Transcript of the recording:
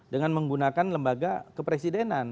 dengan menggunakan lembaga kepresidenan